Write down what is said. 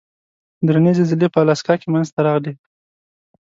درنې زلزلې په الاسکا کې منځته راغلې.